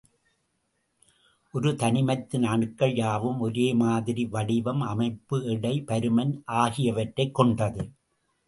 ஒரு தனிமத்தின் அணுக்கள் யாவும் ஒரே மாதிரி வடிவம், அமைப்பு, எடை, பருமன் ஆகியவற்றைக் கொண்டது.